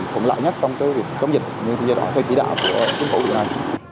thì cũng lạ nhất trong cơ việc công dịch nhưng do đó thôi chỉ đảm của chính phủ điều này